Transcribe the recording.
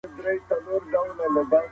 سوله ییز فعالیتونه د سیمې په ګټه دي.